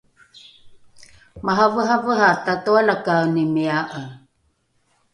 maraveravera tatoalakaenimia’e